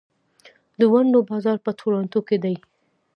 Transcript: د ونډو بازار په تورنټو کې دی.